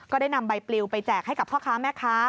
ได้นำใบปลิวไปแจกให้กับพ่อค้าแม่ค้า